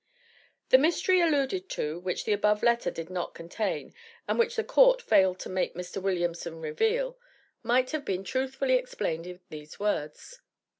The mystery alluded to, which the above letter did not contain, and which the court failed to make Mr. Williamson reveal, might have been truthfully explained in these words.